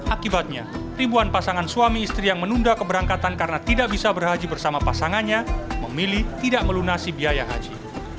akibatnya ribuan pasangan suami istri yang menunda keberangkatan karena tidak bisa berhaji bersama pasangannya memilih tidak melunasi biaya haji